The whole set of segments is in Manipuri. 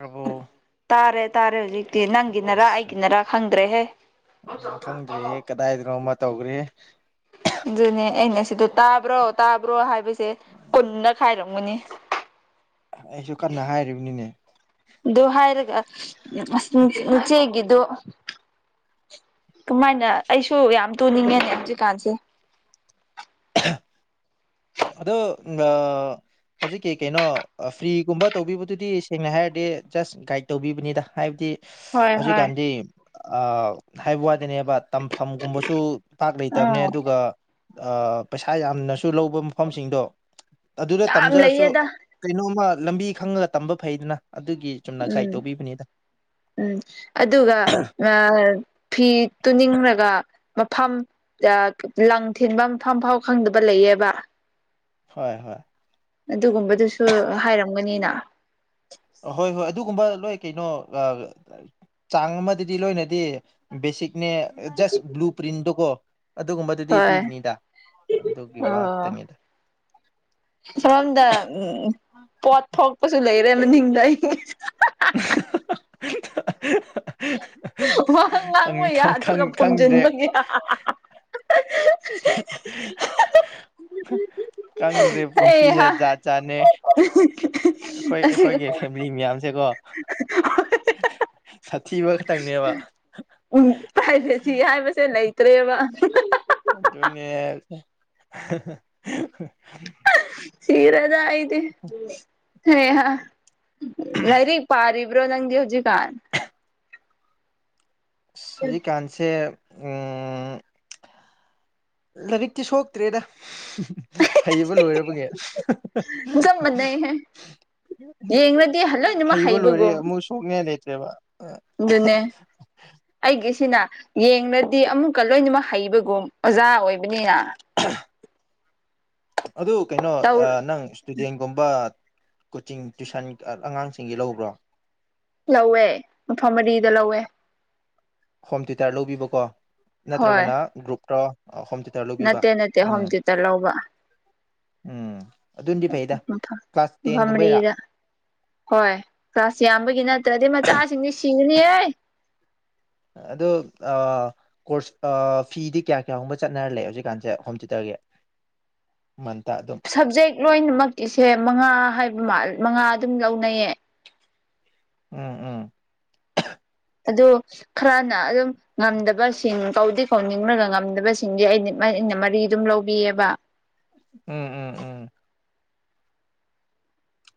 ꯑꯍꯣ ꯇꯥꯔꯦ ꯇꯥꯔꯦ ꯍꯧꯖꯤꯛꯇꯤ ꯅꯪꯒꯤꯅꯔꯥ ꯑꯁ ꯑꯩꯒꯤꯅꯔꯥ ꯈꯪꯗ꯭ꯔꯦꯍꯦ ꯈꯪꯗ꯭ꯔꯦꯍꯦ ꯀꯗꯥꯏꯗꯅꯣꯃ ꯇꯧꯒ꯭ꯔꯦ ꯑꯗꯨꯅꯦ ꯑꯩꯅ ꯁꯤꯗ ꯇꯥꯕ꯭ꯔꯣ ꯇꯥꯕ꯭ꯔꯣ ꯍꯥꯏꯕꯁꯦ ꯀꯨꯟꯔꯛ ꯍꯥꯏꯔꯝꯒꯅꯤ ꯑꯩꯁꯨ ꯀꯟꯅ ꯍꯥꯏꯔꯤꯕꯅꯤꯅꯦ ꯑꯗꯨ ꯍꯥꯏꯔꯒ ꯑ [unintelligible] ꯏꯆꯦꯒꯤꯗꯣ ꯀꯃꯥꯏꯅ ꯑꯩꯁꯨ ꯌꯥꯝ ꯇꯨꯅꯤꯡꯉꯦꯅꯦ ꯍꯧꯖꯤꯛꯀꯥꯟꯁꯦ ꯑꯗꯣ [unintelligible] ꯍꯧꯖꯤꯛꯀꯤ ꯀꯩꯅꯣ ꯑ ꯐ꯭ꯔꯤꯒꯨꯝꯕ ꯇꯧꯕꯤꯕꯗꯨꯗꯤ ꯁꯦꯡꯅ ꯍꯥꯏꯔꯗꯤ ꯖꯁ ꯒꯥꯏꯠ ꯇꯧꯕꯤꯕꯅꯤꯗ ꯍꯥꯏꯕꯗꯤ ꯍꯣꯏ ꯍꯣꯏ ꯍꯧꯖꯤꯛꯀꯥꯟꯗꯤ ꯑ ꯍꯥꯏꯕ ꯋꯥꯗꯅꯦꯕ ꯇꯝꯐꯝꯒꯨꯝꯕꯁꯨ ꯄꯥꯛ ꯂꯩꯇꯕꯅꯦ ꯑꯥ ꯑꯗꯨꯒ ꯑꯥ ꯄꯩꯁꯥ ꯌꯥꯝꯅꯁꯨ ꯂꯧꯕ ꯃꯐꯝꯁꯤꯡꯗꯣ ꯑꯗꯨꯗ ꯌꯥꯝ ꯇꯝꯖꯔꯁꯨ ꯂꯩꯌꯦꯗ ꯀꯩꯅꯣꯝꯃ ꯂꯝꯕꯤ ꯈꯪꯉꯒ ꯇꯝꯕ ꯐꯩꯗꯅ ꯑꯗꯨꯒꯤ ꯆꯨꯝꯅ ꯒꯥꯏꯗ ꯎꯝ ꯇꯧꯕꯤꯕꯅꯤꯗ ꯎꯝ ꯑꯗꯨꯒ [unintelligible] ꯐꯤ ꯇꯨꯅꯤꯡꯔꯒ ꯃꯐꯝ [unintelligible] ꯂꯪ ꯊꯤꯟꯕ ꯃꯐꯝ ꯐꯥꯎ ꯈꯪꯗꯕ ꯂꯩꯌꯦꯕ ꯍꯣꯏ ꯍꯣꯏ ꯑꯗꯨꯒꯨꯝꯕꯗꯨꯁꯨ ꯍꯥꯏꯔꯝꯒꯅꯤꯅ ꯍꯣꯏ ꯍꯣꯏ ꯑꯗꯨꯒꯨꯝꯕ ꯂꯣꯏ ꯀꯩꯅꯣ ꯑꯥ ꯆꯥꯡ ꯑꯃꯗꯗꯤ ꯂꯣꯏꯅꯗꯤ ꯕꯦꯁꯤꯛꯅꯦ ꯖꯁ ꯕ꯭ꯂꯨ ꯄꯔꯤꯟꯗꯣ ꯀꯣ ꯑꯗꯨꯒꯨꯝꯕꯗꯨꯗꯤ ꯍꯣꯏ ꯄꯤꯒꯅꯤꯗ ꯑꯗꯨꯒꯤ ꯋꯥ ꯑꯣ ꯈꯛꯇꯅꯤꯗ ꯁꯣꯝꯗ ꯎꯝ ꯄꯣꯠ ꯊꯣꯛꯄꯁꯨ ꯂꯩꯔꯦ ꯃꯅꯤꯡꯗ ꯑꯩ [unintelligible] ꯋꯥ ꯑꯪ ꯉꯥꯡꯕ ꯈꯪ ꯈꯪ ꯌꯥꯗ꯭ꯔꯒ ꯈꯪ ꯈꯪꯗꯦ ꯐꯝꯖꯤꯟꯕꯒꯤ [unintelligible] ꯈꯪꯗꯦ ꯑꯩ ꯄꯨꯟꯁꯤꯁꯦ ꯍꯥ ꯖꯥꯠ ꯖꯥꯠꯅꯦ ꯑꯩꯈꯣꯏ ꯑꯁꯤꯒ ꯑꯩꯈꯣꯏꯒꯤ ꯐꯦꯝ ꯃꯤ ꯃꯌꯥꯝꯁꯦꯀꯣ [unintelligible] ꯁꯥꯊꯤꯕ ꯈꯛꯇꯪꯅꯦꯕ ꯎꯝ ꯄ꯭ꯔꯥꯏꯚꯦꯁꯤ ꯍꯥꯏꯕꯁꯦ ꯂꯩꯇ꯭ꯔꯦꯕ ꯗꯨꯅꯦ ꯁꯤꯔꯦꯗ ꯑꯩꯗꯤ ꯍꯩꯍꯥ ꯂꯥꯏꯔꯤꯛ ꯄꯥꯔꯤꯕ꯭ꯔꯣ ꯅꯪꯗꯤ ꯍꯧꯖꯤꯛꯀꯥꯟ ꯑꯁ ꯍꯧꯖꯤꯀꯥꯟꯁꯦ ꯎꯝ ꯂꯥꯏꯔꯤꯛꯇꯤ ꯁꯣꯛꯇ꯭ꯔꯦꯗ ꯍꯩꯕ ꯂꯣꯏꯔꯕꯒꯤ ꯆꯞ ꯃꯥꯟꯅꯩꯍꯦ ꯌꯦꯡꯂꯗꯤ ꯂꯣꯏꯅꯃꯛ ꯍꯩꯕ ꯂꯣꯏꯔꯦ ꯍꯩꯕꯒꯨꯝ ꯑꯃꯨꯛ ꯁꯣꯛꯅꯤꯡꯉꯥꯏ ꯂꯩꯇ꯭ꯔꯦꯕ ꯑꯗꯨꯅꯦ ꯑꯩꯒꯤꯁꯤꯅ ꯌꯦꯡꯂꯗꯤ ꯑꯃꯨꯛꯀ ꯂꯣꯏꯅꯃꯛ ꯍꯩꯕꯒꯨꯝ ꯑꯣꯖꯥ ꯑꯣꯏꯕꯅꯤꯅ ꯑꯗꯨ ꯀꯩꯅꯣ ꯇꯧ ꯑ ꯅꯪ ꯅꯨꯡꯗꯤꯟꯒꯨꯝꯕ ꯀꯣꯆꯤꯡ ꯇꯨꯏꯁꯟ ꯑꯉꯥꯡꯁꯤꯡꯒꯤ ꯂꯧꯕ꯭ꯔꯣ ꯂꯧꯋꯦ ꯃꯐꯝ ꯃꯔꯤꯗ ꯂꯧꯋꯦ ꯍꯣꯝ ꯇ꯭ꯌꯨꯇꯔ ꯂꯧꯕꯤꯕꯀꯣ ꯍꯣꯏ ꯅꯠꯇ꯭ꯔꯒꯅ ꯒ꯭ꯔꯨꯞꯔꯣ ꯑꯣ ꯍꯣꯝ ꯇ꯭ꯌꯨ ꯅꯠꯇꯦ ꯅꯠꯇꯦ ꯍꯣꯝ ꯇ꯭ꯌꯨꯇꯔ ꯂꯧꯕ ꯎꯝ ꯑꯗꯨꯅꯗꯤ ꯐꯩꯗ ꯃꯐꯝ ꯀ꯭ꯂꯥꯁ ꯇꯦꯟꯒꯨꯝꯕꯩꯔꯥ ꯃꯐꯝꯔꯤꯗ ꯍꯣꯏ ꯀ꯭ꯂꯥꯁ ꯌꯥꯝꯕꯒꯤ ꯅꯠꯇ꯭ꯔꯗꯤ ꯃꯆꯥꯁꯤꯡꯗꯤ ꯁꯤꯒꯅꯤꯍꯦ ꯑꯗꯨ ꯑꯥ ꯀꯣꯔꯁ ꯑꯥ ꯐꯤꯗꯤ ꯀꯌꯥ ꯀꯌꯥꯒꯨꯝꯕ ꯆꯠꯅꯍꯟꯂꯦ ꯍꯧꯖꯤꯛꯀꯥꯟꯁꯦ ꯍꯣꯝ ꯇ꯭ꯌꯨꯇꯔꯒꯤ ꯃꯟꯇ ꯑꯗꯨꯝ ꯁꯕꯖꯦꯛ ꯂꯣꯏꯅꯃꯛꯀꯤꯁꯦ ꯃꯉꯥ ꯍꯥꯏꯕ ꯃꯥꯟꯂꯦ ꯃꯉꯥ ꯑꯗꯨꯝ ꯂꯧꯅꯩꯌꯦ ꯎꯝ ꯎꯝ ꯑꯗꯨ ꯈꯔꯅ ꯑꯗꯨꯝ ꯉꯝꯗꯕꯁꯤꯡ ꯀꯧꯗꯤ ꯀꯧꯅꯤꯡꯔꯒ ꯉꯝꯗꯕꯁꯤꯡꯗꯤ ꯑꯩꯗꯤ ꯑꯩꯗꯤ [unintelligible] ꯃꯔꯤ ꯑꯗꯨꯝ ꯂꯧꯕꯤꯑꯦꯕ ꯎꯝ ꯎꯝ ꯎꯝ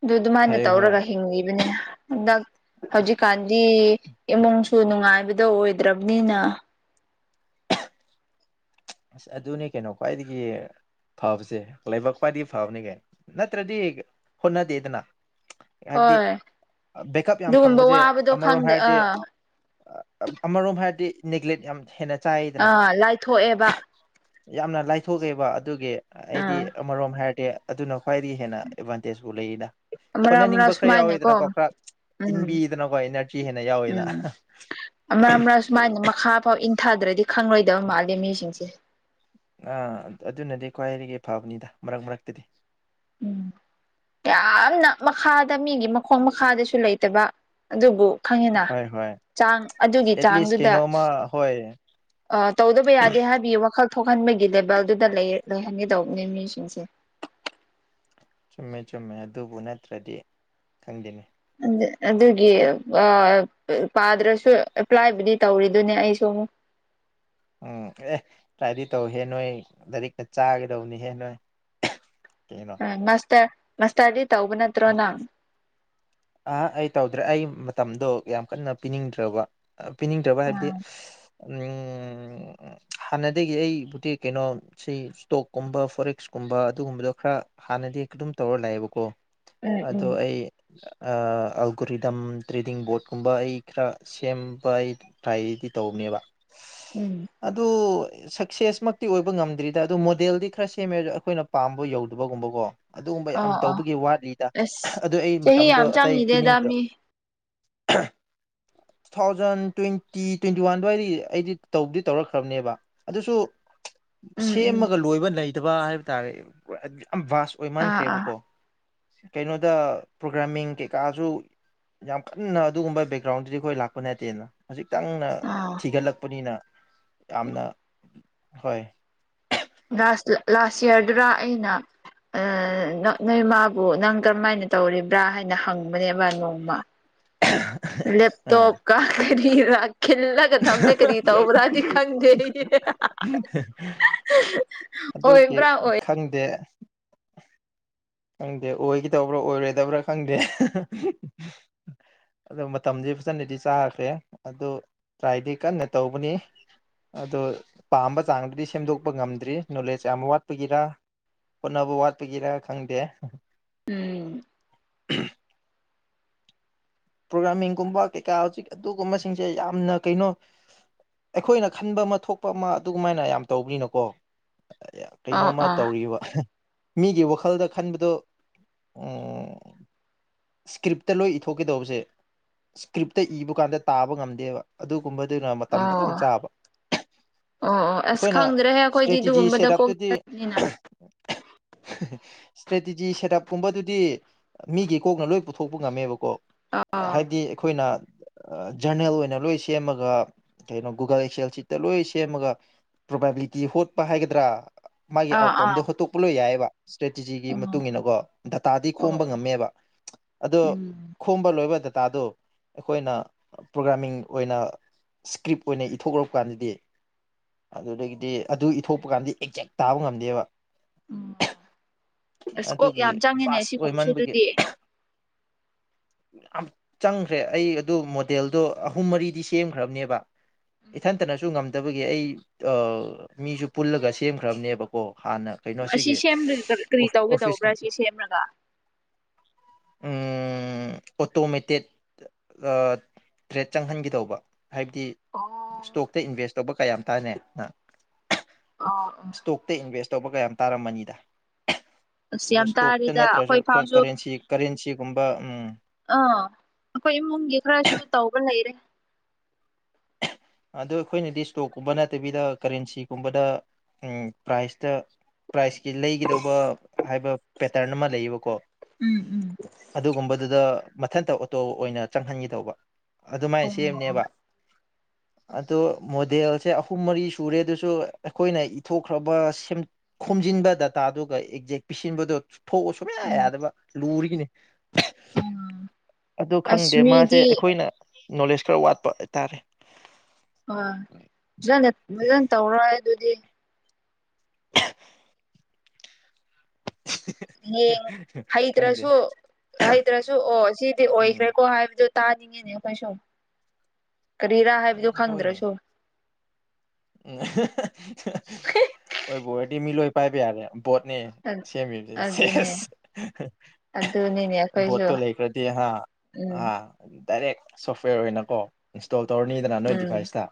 ꯗꯨ ꯗꯨꯃꯥꯏꯅ ꯐꯩꯌꯦ ꯍꯣꯏ ꯇꯧꯔꯒ ꯍꯤꯡꯂꯤꯕꯅꯦ ꯍꯟꯗꯛ ꯍꯧꯖꯤꯛꯀꯥꯟꯗꯤ ꯏꯃꯨꯡꯁꯨ ꯅꯨꯡꯉꯥꯏꯕꯗꯣ ꯑꯣꯏꯗ꯭ꯔꯕꯅꯤꯅ ꯑꯁ ꯑꯗꯨꯅꯤ ꯀꯩꯅꯣ ꯈ꯭ꯋꯥꯏꯗꯒꯤ ꯐꯕꯁꯦ ꯂꯥꯏꯕꯛ ꯈꯋꯥꯏꯗꯤ ꯐꯕꯅꯤ ꯀꯩꯅꯣ ꯅꯠꯇ꯭ꯔꯗꯤ ꯍꯣꯠꯅꯗꯦꯗꯅ ꯍꯥꯏꯕꯗꯤ ꯍꯣꯏ ꯕꯦꯛꯀꯞ ꯌꯥꯝ ꯑꯗꯨꯒꯨꯝꯕ ꯐꯪꯕꯁꯦ ꯋꯥꯕꯗꯣ ꯑꯃꯔꯣꯝ ꯈꯪꯗ ꯍꯥꯏꯔꯗꯤ ꯑꯥ ꯑ ꯑꯃꯔꯣꯝ ꯍꯥꯏꯔꯗꯤ ꯅꯦꯒ꯭ꯂꯦꯠ ꯌꯥꯝ ꯍꯦꯟꯅ ꯆꯥꯏꯗꯅ ꯑꯥ ꯂꯥꯏꯊꯣꯛꯑꯦꯕ ꯌꯥꯝꯅ ꯂꯥꯏꯊꯣꯛꯑꯦꯕ ꯑꯗꯨꯒꯤ ꯑꯩꯗꯤ ꯑꯥ ꯑꯃꯔꯣꯝ ꯍꯥꯏꯔꯗꯤ ꯑꯗꯨꯅ ꯈ꯭ꯋꯥꯏꯗꯒꯤ ꯍꯦꯟꯅ ꯑꯦꯗꯚꯥꯟꯇꯦꯖꯄꯨ ꯂꯩꯔꯤꯗ ꯃꯔꯛ ꯃꯔꯛ ꯍꯣꯠꯅꯅꯤꯡꯕ ꯈꯔ ꯁꯨꯃꯥꯏꯅꯀꯣ ꯌꯥꯎꯋꯤꯗꯅꯀꯣ ꯈꯔ ꯎꯝ ꯏꯟꯕꯤꯗꯅꯀꯣ ꯏꯅꯔꯖꯤ ꯍꯦꯟꯅ ꯌꯥꯎꯋꯦꯗꯅ ꯑꯃ ꯑꯃꯔꯛ ꯁꯨꯃꯥꯏꯅ ꯃꯈꯥ ꯐꯥꯎ ꯏꯟꯊꯗ꯭ꯔꯗꯤ ꯈꯪꯔꯣꯏꯗꯕ ꯃꯥꯜꯂꯦ ꯃꯤꯁꯤꯡꯁꯦ ꯑꯥ ꯑꯗꯨꯅꯗꯤ ꯈ꯭ꯋꯥꯏꯗꯒꯤ ꯐꯕꯅꯤꯗ ꯃꯔꯛ ꯃꯔꯛꯇꯗꯤ ꯎꯝ ꯌꯥꯝꯅ ꯃꯈꯥꯗ ꯃꯤꯒꯤ ꯃꯈꯣꯡ ꯃꯈꯥꯗꯁꯨ ꯂꯩꯇꯕ ꯑꯗꯨꯕꯨ ꯈꯪꯉꯦꯅ ꯍꯣꯏ ꯍꯣꯏ ꯆꯥꯡ ꯑꯗꯨꯒꯤ ꯑꯦꯠꯂꯤꯁ ꯆꯥꯡꯗꯨꯗ ꯀꯩꯅꯣꯝꯃ ꯍꯣꯏ ꯑꯥ ꯇꯧꯗꯕ ꯌꯥꯗꯦ ꯍꯥꯏꯕꯒꯤ ꯋꯥꯈꯜ ꯊꯣꯛꯍꯟꯕꯒꯤ ꯂꯦꯕꯦꯜꯗꯨꯗ ꯂꯩꯔ ꯂꯩꯍꯟꯒꯦ ꯇꯧꯕꯅꯦ ꯃꯤꯁꯤꯡꯁꯦ ꯆꯨꯝꯃꯦ ꯆꯨꯝꯃꯦ ꯑꯗꯨꯕꯨ ꯅꯠꯇ꯭ꯔꯗꯤ ꯈꯪꯗꯦꯅꯦ ꯑꯗ ꯑꯗꯨꯒꯤ ꯑꯥ ꯄꯥꯗ꯭ꯔꯁꯨ ꯑꯦꯄ꯭ꯂꯥꯏꯕꯨꯗꯤ ꯇꯧꯔꯤꯗꯨꯅꯤ ꯑꯩꯁꯨ ꯎꯝ ꯑꯦ ꯇꯔꯥꯏꯗꯤ ꯇꯧꯍꯦ ꯅꯣꯏ ꯂꯥꯏꯔꯤꯛꯇ ꯆꯥꯒꯗꯧꯕꯅꯤ ꯍꯦ ꯅꯣꯏ ꯀꯩꯅꯣ ꯃꯁꯇ꯭ꯔ ꯃꯁꯇ꯭ꯔꯗꯤ ꯇꯧꯕ ꯅꯠꯇ꯭ꯔꯣ ꯅꯪ ꯑꯥ ꯑꯩ ꯇꯧꯗ꯭ꯔꯦ ꯑꯩ ꯃꯇꯝꯗꯣ ꯌꯥꯝ ꯀꯟꯅ ꯄꯤꯅꯤꯡꯗ꯭ꯔꯕ ꯄꯤꯅꯤꯡꯗ꯭ꯔꯕ ꯍꯥꯏꯕꯗꯤ ꯎꯝ ꯎꯝ ꯍꯥꯟꯅꯗꯒꯤ ꯑꯩꯕꯨꯗꯤ ꯀꯩꯅꯣ ꯁꯤ ꯏꯁꯇꯣꯛꯀꯨꯝꯕ ꯐꯣꯔꯛꯁꯀꯨꯝꯕ ꯑꯗꯨꯒꯨꯝꯕꯗꯣ ꯈꯔ ꯍꯥꯟꯅꯗꯤ ꯑꯗꯨꯝ ꯇꯧꯔ ꯂꯥꯛꯑꯦꯕꯀꯣ ꯎꯝ ꯑꯗꯣ ꯎꯝ ꯑꯩ ꯑꯥ ꯑꯜꯒꯣꯔꯤꯗꯝ ꯇ꯭ꯔꯦꯗꯤꯡ ꯕꯣꯔꯠꯀꯨꯝꯕ ꯑꯩ ꯈꯔ ꯁꯦꯝꯕ ꯑꯩ ꯇ꯭ꯔꯥꯏꯗꯤ ꯇꯧꯕꯅꯦꯕ ꯎꯝ ꯑꯗꯣ ꯁꯛꯁꯦꯁ ꯃꯛꯇꯤ ꯑꯣꯏꯕ ꯉꯝꯗ꯭ꯔꯤꯗ ꯑꯗꯨ ꯃꯣꯗꯦꯜꯗꯤ ꯈꯔ ꯁꯦꯝꯃꯦ ꯑꯩꯈꯣꯏꯅ ꯄꯥꯝꯕ ꯌꯧꯗꯕꯒꯨꯝꯕꯀꯣ ꯑꯗꯨꯒꯨꯝꯕ ꯌꯥꯝ ꯑꯣ ꯑꯣ ꯇꯧꯕꯒꯤ ꯋꯥꯠꯂꯤꯗ ꯑꯁ ꯑꯗꯨ ꯑꯩ ꯆꯍꯤ ꯃꯇꯝꯗꯣ ꯌꯥꯝ ꯑꯇꯩ ꯆꯪꯉꯤꯗꯦꯗ ꯄꯤꯅꯤꯡꯇ꯭ꯔ ꯃꯤ [unintelligible] ꯊꯥꯎꯖꯟ ꯇ꯭ꯋꯦꯟꯇꯤ ꯇ꯭ꯋꯦꯟꯇꯤ ꯋꯥꯟ ꯑꯗꯨꯋꯥꯏꯗꯒꯤ ꯑꯩꯗꯤ ꯇꯧꯗꯤ ꯇꯧꯔꯛꯈ꯭ꯔꯕꯅꯦꯕ ꯑꯗꯨꯁꯨ ꯎꯝ ꯎꯝ ꯁꯦꯝꯃꯒ ꯂꯣꯏꯕ ꯂꯩꯇꯕ ꯍꯥꯏꯕ ꯇꯥꯔꯦ ꯌꯥꯝ ꯚꯁ ꯑꯥ ꯑꯥ ꯑꯣꯏꯃꯟꯈ꯭ꯔꯦꯕꯀꯣ ꯀꯩꯅꯣꯗ ꯄ꯭ꯔꯣꯒ꯭ꯔꯥꯃꯤꯡ ꯀꯩꯀꯥꯖꯨ ꯌꯥꯝ ꯀꯟꯅ ꯑꯗꯨꯒꯨꯝꯕ ꯕꯦꯛꯒ꯭ꯔꯥꯎꯟꯗꯗꯤ ꯑꯩꯈꯣꯏ ꯂꯥꯛꯄ ꯅꯠꯇꯦꯅ ꯈꯖꯤꯛꯇꯪꯅ ꯑꯣ ꯊꯤꯒꯠꯂꯛꯄꯅꯤꯅ ꯌꯥꯝꯅ ꯍꯣꯏ ꯥꯗꯁꯇ ꯂꯥꯁ ꯌꯤꯔꯗꯔꯥ ꯑꯩꯅ ꯑꯥ ꯅꯣꯏꯃꯕꯨ ꯅꯪ ꯀꯔꯝꯃꯥꯏꯅ ꯇꯧꯔꯤꯕ꯭ꯔꯥ ꯍꯥꯏꯅ ꯍꯪꯕꯅꯦꯕ ꯅꯣꯡꯃ [unintelligible] ꯑꯥ ꯂꯦꯞꯇꯣꯞꯀꯥ ꯀꯔꯤꯔ ꯈꯜꯂꯛ ꯊꯃꯦ ꯀꯔꯤ ꯇꯧꯕ꯭ꯔꯥꯗꯤ ꯈꯪꯗꯦ ꯑꯗꯨꯒꯤ ꯑꯣꯏꯕ꯭ꯔꯥ ꯑꯣꯏ ꯈꯪꯗꯦ ꯈꯪꯗꯦ ꯑꯣꯏꯒꯗꯧꯕ꯭ꯔꯥ ꯑꯣꯏꯔꯣꯏꯗꯕ꯭ꯔꯥ ꯈꯪꯗꯦ ꯑꯗꯣ ꯃꯇꯝꯗꯤ ꯐꯖꯅꯗꯤ ꯆꯥꯈ꯭ꯔꯦ ꯑꯗꯣ ꯇ꯭ꯔꯥꯏꯗꯤ ꯀꯟꯅ ꯇꯧꯕꯅꯤ ꯑꯗꯣ ꯄꯥꯝꯕ ꯆꯥꯡꯗꯨꯗꯤ ꯁꯦꯝꯗꯣꯛꯄ ꯉꯝꯗ꯭ꯔꯤ ꯅꯣꯂꯦꯖ ꯌꯥꯝ ꯋꯥꯠꯄꯒꯤꯔ ꯍꯣꯠꯅꯕ ꯋꯥꯠꯄꯒꯤꯔ ꯈꯪꯗꯦ ꯎꯝ ꯄ꯭ꯔꯣꯒꯥꯃꯤꯡꯀꯨꯝꯕ ꯀꯩꯀꯥ ꯍꯧꯖꯤꯛ ꯑꯗꯨꯒꯨꯝꯕꯁꯤꯡꯁꯦ ꯌꯥꯝꯅ ꯀꯩꯅꯣ ꯑꯩꯈꯣꯏꯅ ꯈꯟꯕꯃ ꯊꯣꯛꯄ ꯑꯃ ꯑꯗꯨꯃꯥꯏꯅ ꯌꯥꯝ ꯇꯧꯕꯅꯤꯅꯀꯣ ꯑꯣ ꯀꯩꯅꯣꯝꯃ ꯑꯣ ꯇꯧꯔꯤꯕ ꯃꯤꯒꯤ ꯋꯥꯈꯜꯗ ꯈꯟꯕꯗꯣ ꯎꯝ ꯏꯁꯀ꯭ꯔꯤꯞꯇ ꯂꯣꯏ ꯏꯊꯣꯛ ꯀꯩꯇꯧꯕꯁꯦ ꯏꯁꯀ꯭ꯔꯤꯞꯇ ꯏꯕ ꯀꯥꯟꯗ ꯇꯥꯕ ꯉꯝꯗꯦꯕ ꯑꯗꯨꯒꯨꯝꯕꯗꯨꯅ ꯃꯇꯝ ꯑꯣ ꯐꯖꯅꯥ ꯆꯥꯕ ꯑꯣ ꯑꯣ ꯑꯁ ꯑꯩꯈꯣꯏꯅ ꯈꯪꯗ꯭ꯔꯦꯍꯦ ꯑꯩꯈꯣꯏꯗꯤ ꯏꯁꯇ꯭ꯔꯦꯇꯤꯖꯤ ꯑꯗꯨꯒꯨꯝꯕꯗ ꯁꯦꯠ ꯀꯣꯛꯇꯠꯅꯤꯅ ꯁ꯭ꯇ꯭ꯔꯦꯇꯤꯖꯤ ꯁꯦꯠꯞꯀꯨꯝꯕꯗꯨꯗꯤ ꯃꯤꯒꯤ ꯀꯣꯛꯅ ꯂꯣꯏ ꯄꯨꯊꯣꯛꯄ ꯉꯝꯃꯦꯕꯀꯣ ꯑꯥ ꯍꯥꯏꯕꯗꯤ ꯑꯩꯈꯣꯏꯅ ꯖꯔꯅꯦꯜ ꯑꯣꯏꯅ ꯂꯣꯏ ꯁꯦꯝꯃꯒ ꯀꯩꯅꯣ ꯒꯨꯒꯜ ꯑꯦꯛꯁꯤꯌꯦꯜ ꯁꯤꯠꯇ ꯂꯣꯏ ꯁꯦꯝꯃꯒ ꯄ꯭ꯔꯣꯕꯥꯕꯤꯂꯤꯇꯤ ꯍꯣꯠꯄ ꯍꯥꯏꯒꯗ꯭ꯔꯥ ꯃꯥꯒꯤ ꯑꯥ ꯑꯥ ꯑꯥꯎꯠꯀꯝꯗꯣ ꯍꯣꯠꯇꯣꯛꯄ ꯂꫭꯏ ꯌꯥꯏꯑꯕꯥ ꯏꯁꯇ꯭ꯔꯦꯇꯤꯖꯤꯒꯤ ꯎꯝ ꯃꯇꯨꯡ ꯏꯟꯅꯀꯣ ꯗꯇꯥꯗꯤ ꯑꯣ ꯈꯣꯝꯕ ꯑꯣ ꯉꯝꯃꯦꯕ ꯑꯗꯣ ꯎꯝ ꯈꯣꯝꯕ ꯂꯣꯏꯕ ꯗꯇꯥꯗꫭ ꯑꯩꯈꯣꯏꯅ ꯄ꯭ꯔꯣꯒ꯭ꯔꯥꯃꯤꯡ ꯑꯣꯏꯅ ꯏꯁꯀ꯭ꯔꯤꯞ ꯑꯣꯏꯅ ꯏꯊꯣꯛꯂꯥꯛ ꯀꯥꯟꯗꯗꯤ ꯑꯗꯨꯗꯒꯤꯗꯤ ꯑꯗꯨ ꯏꯊꯣꯛꯄ ꯀꯥꯟꯗꯤ ꯑꯦꯛꯖꯦꯛ ꯇꯥꯕ ꯉꯝꯗꯦꯕ ꯎꯝ ꯑꯁ ꯀꯣꯛ ꯑꯗꯨꯒꯤ ꯌꯥꯝ ꯆꯪꯉꯤꯅꯦ ꯚꯥꯁ꯭ꯠ ꯁꯤꯒꯨꯝꯕꯁꯨ ꯑꯣꯏꯃꯟꯕꯒꯤ ꯑꯗꯨꯗꯤ ꯌꯥꯝ ꯆꯪꯈ꯭ꯔꯦ ꯑꯩ ꯑꯗꯨ ꯃꯣꯗꯦꯜꯗꯣ ꯑꯍꯨꯝ ꯃꯔꯤꯗꯤ ꯁꯦꯝꯈ꯭ꯔꯥꯕꯅꯦꯕ ꯎꯝ ꯎꯝ ꯏꯊꯟꯇꯅꯁꯨ ꯉꯝ ꯗꯕꯒꯤ ꯑꯩ ꯑ ꯃꯤꯁꯨ ꯄꯨꯜꯂꯒ ꯁꯦꯝꯈ꯭ꯔꯥꯕꯅꯦꯕꯀꯣ ꯍꯥꯟꯅ ꯀꯩꯅꯣ ꯑꯁꯤ ꯁꯤꯒꯤ ꯁꯦꯝꯔꯥꯒ ꯀꯔꯤ ꯇꯧꯒꯦ ꯑꯣꯐꯤꯁ ꯇꯧꯕ꯭ꯔꯥ ꯁꯤ ꯁꯦꯝꯔꯥꯒ ꯎꯝ ꯫ ꯑꯣꯇꯣꯃꯦꯇꯦꯠ ꯇ꯭ꯔꯦꯠ ꯆꯪꯍꯟꯒꯦ ꯇꯧꯕ ꯍꯥꯏꯕꯗꯤ ꯑꯣ ꯏꯁ꯭ꯇꯣꯛꯇ ꯏꯟꯚꯦꯁ꯭ꯠ ꯇꯧꯕ ꯀꯌꯥꯝ ꯇꯥꯏꯅꯦ ꯍꯥ ꯑꯣ ꯎꯝ ꯇ ꯏꯟꯚꯦꯁ꯭ꯠ ꯇꯧꯕꯒꯥ ꯌꯥꯝ ꯇꯥꯔꯝꯃꯅꯤꯗ ꯑꯁ ꯑꯗꫭ ꯌꯥꯝ ꯏꯁ꯭ꯇꯣꯛꯇ ꯇꯥꯔꯦꯗ ꯅꯠꯇ꯭ꯔꯁꯨ ꯑꯩꯈꯣꯏ ‌ꯈꫭꯏ ꯐꯥꯎꯁꯨ ꯀꯔꯦꯟꯁꯤ ꯀꯔꯦꯟꯁꯤꯒꯨꯝꯕ ꯎꯝ ꯑꯥ ꯑꯩꯈꯣꯏ ꯏꯃꯨꯡꯒꯤ ꯈꯔꯁꯨ ꯇꯧꯕ ꯂꯩꯔꯦ꯫ ꯑꯗꯣ ꯑꯩꯈꯣꯏꯅꯗꯤ ꯏꯁ꯭ꯇꯣꯛꯀꯨꯝꯕ ꯅꯠꯇꯕꯤꯗ ꯀꯔꯦꯟꯁꯤꯒꯨꯝꯕꯗ ꯎꯝ ꯄ꯭ꯔꯥꯏꯖꯇ ꯄ꯭ꯔꯥꯏꯖꯀꯤ ꯂꯩꯒꯗꯧꯕ ꯍꯥꯏꯕ ꯄꯦꯇꯔꯟ ꯑꯃ ꯂꯩꯌꯦꯕꯀꯣ꯫ ꯎꯝ ꯎꯝ ꯑꯗꯨꯒꯨꯝꯕꯗꯨꯗ ꯃꯊꯟꯇ ꯑꯣꯇꯣ ꯑꯣꯏꯅ ꯆꯪꯍꯟꯒꯦ ꯇꯧꯕ ꯑꯗꯨꯃꯥꯏ ꯑꯣ ꯑꯣ ꯁꯦꯝꯅꯦꯕ꯫ ꯑꯗꯣ ꯃꯣꯗꯦꯜꯁꯦ ꯑꯍꯨꯝ ꯃꯔꯤ ꯁꯨꯔꯦ ꯑꯗꯨꯁꯨ ꯑꯩꯈꯣꯏꯅ ꯏꯊꯣꯛꯈ꯭ꯔꯕ ꯁꯦꯝ ꯈꯣꯝꯖꯤꯟꯕ ꯗꯇꯥꯗꯨꯒ ꯑꯦꯛꯖꯦꯛ ꯄꯤꯁꯤꯟꯕꯗꯨ ꯊꯣꯛꯑ ꯁꯨꯡꯌꯥ ꯎꯝ ꯌꯥꯗꯕ ꯂꯨꯔꯤꯒꯤꯅꯤ ꯎꯝ ꯑꯗꯨ ꯑꯁ ꯈꯪꯗꯦ ꯃꯤꯗꯤ ꯃꯥꯁꯦ ꯑꯩꯈꯣꯏꯅ ꯅꯣꯂꯦꯖ ꯈꯔ ꯋꯥꯠꯄ ꯍꯥꯏꯇꯥꯔꯦ꯫ ꯑꫭ ꯐꯖꯅꯥ ꯐꯖꯅꯥ ꯇꯧꯔꯣ ꯍꯥꯏꯗꯨꯗꯤ ꯌꯦꯡ ꯈꯪꯗꯦ ꯍꯩꯇ꯭ꯔꯥꯁꯨ ꯍꯩꯇ꯭ꯔꯥꯁꯨ ꯑꯣ ꯁꯤꯗꯤ ꯎꯝ ꯑꯣꯏꯈ꯭ꯔꯦꯀꯣ ꯍꯥꯏꯕꯗꯨ ꯇꯥꯅꯤꯡꯉꯤꯅꯦ ꯑꯩꯈꯣꯏꯁꯨ ꯀꯔꯤꯔꯥ ꯍꯥꯏꯕꯗꯨ ꯎꯝ ꯍꯣꯏꯅꯦ ꯈꯪꯗ꯭ꯔꯁꯨ꯫ ꯎꯝ ꯑꯣꯏꯕꯨ ꯑꫭꯏꯔꯗꯤ ꯃꯤꯂꯣꯏ ꯄꯥꯏꯕ ꯌꯥꯔꯦ ꯚꫭꯠꯅꯦ꯫ ꯁꯦꯝꯃꯤꯁꯦ ꯑꯗꯨꯅꯦ ꯁꯦꯁ ꯑꯗꯨꯅꯤꯅꯦ ꯑꯩꯈꯣꯏꯁꯨ ꯚꫭꯠꯇꯣ ꯂꯩꯈ꯭ꯔꯗꯤ ꯍꯥ꯫ ꯎꯝ ꯑꯥ ꯗꯥꯏꯔꯦꯛ ꯁꯣꯐꯋꯦꯔ ꯑꯣꯏꯅꯀꯣ ꯏꯟꯁꯇꯣꯜ ꯇꯧꯔꯅꯤꯗꯅ ꯅꯣꯏ ꯎꯝ ꯗꯤꯚꯥꯏꯁꯇ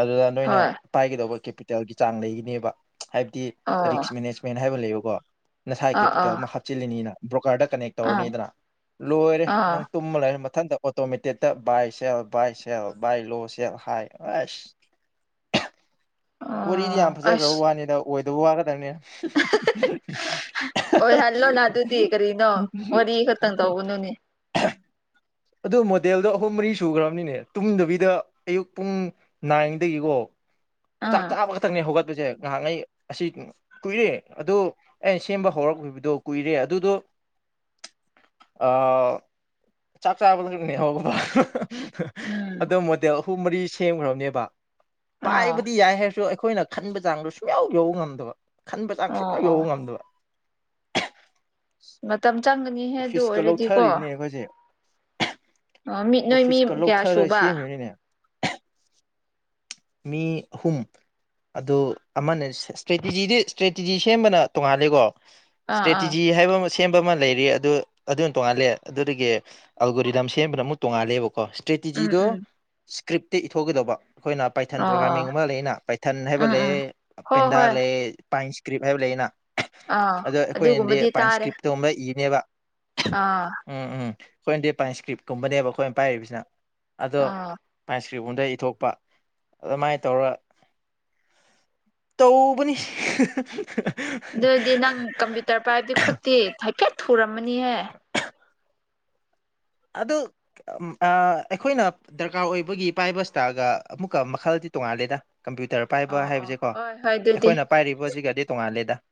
ꯑꯗꯨꯗ ꯅꯣꯏꯅ ꯍꯣꯏ ꯄꯥꯏꯒꯗꯧꯕ ꯀꯦꯄꯤꯇꯦꯜꯒꯤ ꯆꯥꯡ ꯂꯩꯒꯅꯦꯕ ꯍꯥꯏꯕꯗꯤ ꯔꯤꯁ꯭ꯛ ꯑꯣ ꯃꯦꯅꯦꯖꯃꯦꯟ ꯍꯥꯏꯕ ꯂꯩꯕꯀꯣ꯫ ꯅꯁꯥꯏ ꯑꯥ ꯀꯦꯄꯤꯇꯦꯜ ꯑꯥ ꯑꯃ ꯍꯥꯞꯆꯤꯜꯂꯤꯅꯤꯅ ꯕ꯭ꯔꯣꯀꯔꯗ ꯀꯅꯦꯛ ꯑꯥ ꯇꯧꯔꯅꯤꯗꯅ ꯂꯣꯏꯔꯦ ꯑꯥ ꯅꯪ꯫ ꯇꯨꯝꯃ ꯂꯩꯔ ꯃꯊꯟꯗ ꯑꯣꯇꯣꯃꯦꯇꯤꯛꯇ ꯕꯥꯏ ꯁꯦꯜ ꯕꯥꯏ ꯁꯦꯜ ꯕꯥꯏ ꯂꯣ ꯁꯦꯜ ꯍꯥꯏ ꯑꯁ ꯋꯥꯔꯤꯗꯤ ꯌꯥꯝ ꯑꯣ ꯐꯖꯈ꯭ꯔꯥꯕ ꯑꯁ ꯋꯥꯅꯤꯗ ꯑꯣꯏꯗꯕ ꯋꯥ ꯈꯠꯇꯪꯅꯦ꯫ ꯑꫭꯏ ꯍꯜꯂꫭ ꯅ ꯑꯗꯨꯗꯤ ꯀꯔꯤꯅꯣ ꯋꯥꯔꯤ ꯈꯛꯇꯪ ꯇꯧꯒꯅꯨꯅꯦ꯫ ꯑꯗꯨ ꯃꯣꯗꯦꯜꯗꯣ ꯑꯍꯨꯝ ꯃꯔꯤ ꯁꯨꯈ꯭ꯔꯥꯕꯅꯤꯅꯦ ꯇꯨꯝꯗꯕꯤꯗ ꯑꯌꯨꯛ ꯄꯨꯡ ꯅꯥꯏꯟꯗꯒꯤꯀꯣ ꯆꯥꯛ ꯑꯥ ꯆꯥꯕ ꯈꯛꯇꯪꯅꯦ ꯍꯧꯒꯠꯄꯁꯦ ꯉꯥꯏꯍꯥꯛꯉꯩ ꯑꯁꯤ ꯀꯨꯏꯔꯦ ꯑꯗꯨ ꯑꯩꯅ ꯁꯦꯝꯕ ꯍꯧꯔꯛꯈꯤꯕꯗꯣ ꯀꯨꯏꯔꯦ ꯑꯗꯨꯗꯣ ꯑ ꯆꯥꯛ ꯆꯥꯕ ꯈꯨꯗꯤꯡ ꯂꯩꯍꯧꯕꯒꯨꯝꯕ ꯎꯝ ꯑꯗꯣ ꯃꯣꯗꯦꯜ ꯑꯍꯨꯝ ꯃꯔꯤ ꯁꯦꯝꯈ꯭ꯔꯕꯅꯦꯕ ꯄꯥꯏꯕ ꯑꯥ ꯌꯥꯏ ꯍꯥꯏꯔꯁꯨ ꯑꯩꯈꯣꯏꯅ ꯈꯟꯕ ꯆꯥꯡꯗꯣ ꯁꯨꯡꯌꯥꯎ ꯌꯧꯕ ꯉꯝꯗꯕ ꯈꯟꯕ ꯆꯥꯡ ꯑꯣ ꯁꯨꯡꯌꯥꯎ ꯑꯣ ꯌꯧꯕ ꯉꯝꯗꯕ ꯃꯇꯝ ꯆꯪꯒꯅꯤꯍꯦ ꯑꯗꯨ ꯑꯣꯐꯤꯁꯀ ꯑꯣꯏꯔꯗꯤꯀꯣ꯫ ꯂꯧꯊꯔꯤꯕꯅꯦ ꯑꯩꯈꯣꯏꯁꯦ ꯑꯣ ꯃꯤꯠ ꯅꯣꯏ ꯃꯤ ꯑꯣꯐꯤꯁꯀ ꯀꯌꯥ ꯂꯧꯊꯔ ꯁꯨꯕ ꯁꯦꯝꯃꯤꯕꯅꯤꯅꯦ ꯃꯤ ꯑꯍꯨꯝ꯫ ꯑꯗꯨ ꯑꯃꯅ ꯏꯁꯇ꯭ꯔꯦꯇꯤꯖꯤꯗꯤ ꯏꯁꯇ꯭ꯔꯦꯇꯤꯖꯤ ꯁꯦꯝꯕꯅ ꯇꯣꯡꯉꯥꯂꯦꯀꯣ ꯑꯥ ꯑꯥ ꯁꯇ꯭ꯔꯦꯇꯦꯖꯤ ꯍꯥꯏꯕ ꯑꯃ ꯁꯦꯝꯕ ꯑꯃ ꯂꯩꯔꯤ ꯑꯗꯨ ꯑꯗꯨꯅ ꯇꯣꯡꯉꯥꯜꯂꯦ ꯑꯗꯨꯗꯒꯤ ꯑꯜꯒꯣꯔꯤꯗꯝ ꯁꯦꯝꯕꯅ ꯑꯃꯨꯛ ꯇꯣꯡꯉꯥꯜꯂꯦꯕꯀꯣ꯫ ꯎꯝ ꯏꯁꯇ꯭ꯔꯦꯇꯤꯖꯤꯗꯣ ꯎꯝ ꯏꯁ꯭ꯀ꯭ꯔꯤꯞꯇ ꯏꯊꯣꯛꯀꯗꯧꯕ ꯑꯩꯈꯣꯏꯅ ꯄꯥꯏꯊꯟ ꯑꯣ ꯄ꯭ꯔꯣꯒꯥ꯭ꯔꯥꯃꯤꯡ ꯑꯃ ꯂꯩꯅ ꯄꯥꯏꯊꯟ ꯍꯥꯏꯕ ꯎꯝ ꯎꯝ ꯂꯩ ꯍꯣꯏ ꯄꯦꯟꯗꯥ ꯍꯣꯏ ꯂꯩ ꯄꯥꯏꯟ ꯏꯁꯀ꯭ꯔꯤꯞ ꯍꯥꯏꯕ ꯂꯩꯅ꯫ ꯑꯥ ꯑꯗꯣ ꯑꯩꯈꯣꯏꯅꯗꯤ ꯑꯗꯨꯒꯨꯝꯕꯗꯤ ꯄꯥꯏ ꯇꯥꯔꯦ ꯏꯁꯀ꯭ꯔꯤꯞꯇꯣ ꯑꯃꯔꯛ ꯏꯅꯦꯕ꯫ ꯑꯥ ꯎꯝ ꯎꯝ ꯑꯩꯈꯣꯏꯅꯗꯤ ꯄꯥꯏꯟ ꯏꯁꯀ꯭ꯔꯤꯞꯀꯨꯝꯕꯅꯦꯕ ꯑꯩꯈꯣꯏꯅ ꯄꯥꯏꯔꯤꯕꯁꯤꯅ ꯑꯗꯣ ꯑꯥ ꯄꯥꯏꯟꯞ ꯇ꯭ꯔꯤꯕꯣꯟꯗ ꯏꯊꯣꯛꯄ꯫ ꯑꯗꯨꯃꯥꯏꯅ ꯇꯧꯔ ꯇꯧꯕꯅꯤ꯫ ꯑꯗꯨꯗꯤ ꯅꯪ ꯀꯝꯄ꯭ꯌꯨꯇꯔ ꯄꯥꯏꯕꯗꯤ ꯈꯨꯠꯇꯤ ꯍꯥꯏꯐꯦꯠ ꯊꯨꯔꯝꯃꯅꯤꯍꯦ꯫ ꯑꯗꯨꯝ ꯑꯥ ꯑꯩꯈꯣꯏꯅ ꯗꯔꯀꯥꯔ ꯑꯣꯏꯕꯒꯤ ꯄꯥꯏꯕ ꯁꯇꯥꯢꯜꯒ ꯑꯃꯨꯛꯀ ꯃꯈꯜꯗꯤ ꯇꯣꯡꯉꯥꯜꯂꯦꯗ ꯀꯝꯄ꯭ꯌꯨꯇꯔ ꯄꯥꯏꯕ ꯑꯣ ꯑꯣ ꯍꯥꯏꯕꯁꯤꯀꯣ ꯍꯣꯏ ꯍꯣꯏ ꯑꯗꯨꯗꯤ ꯑꯩꯈꯣꯏꯅ ꯄꯥꯏꯔꯤꯕꯁꯤꯒꯗꯤ ꯇꯣꯡꯉꯥꯜꯂꯦꯗ